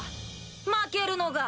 負けるのが。